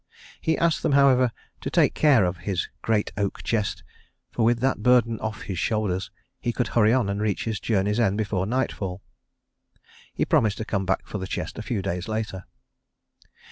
He asked them, however, to take care of his great oak chest, for with that burden off his shoulders he could hurry on and reach his journey's end before nightfall. He promised to come back for the chest a few days later.